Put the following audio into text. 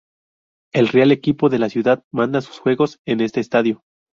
El Real, equipo de la ciudad, manda sus juegos en este estadio.